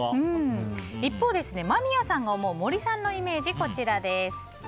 一方、間宮さんが思う森さんのイメージ、こちらです。